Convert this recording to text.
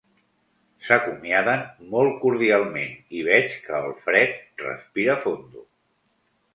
S'acomiaden molt cordialment i veig que el Fred respira fondo.